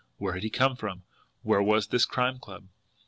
Where had he come from? Where was this Crime Club?